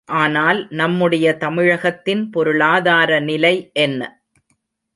ஆனால் நம்முடைய தமிழகத்தின் பொருளாதார நிலை என்ன?